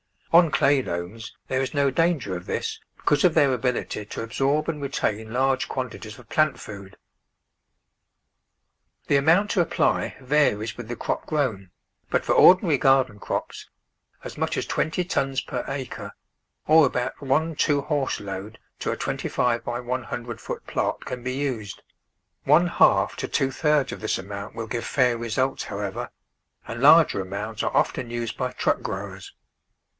On clay loams there is no danger of this, because of their ability to absorb and retain large quantities of plant food. HOW TO MAINTAIN FERTILITY The amount to apply varies with the crop grown, but for ordinary garden crops as much as twenty tons per acre, or about one two horse load to a 25 X 100 foot plot, can be used; one half to two thirds of this amount will give fair results, however, and larger amounts are often used by " truck " growers.